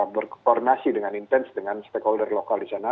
berkoordinasi dengan intens dengan stakeholder lokal di sana